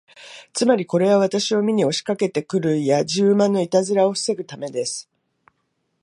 つまり、これは私を見に押しかけて来るやじ馬のいたずらを防ぐためです。